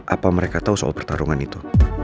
apa mereka tahu soal pertarungan itu